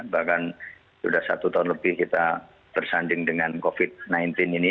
bahkan sudah satu tahun lebih kita tersanding dengan covid sembilan belas ini